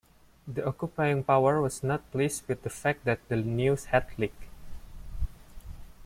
The occupying power was not pleased with the fact that the news had leaked.